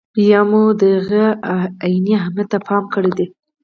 یا مو د هغه عیني اهمیت ته پام کړی دی.